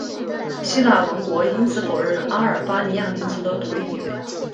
希腊王国因此否认阿尔巴尼亚民族的独立地位。